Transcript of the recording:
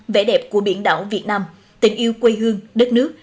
vẻ đẹp của biển đảo việt nam tình yêu quê hương đất nước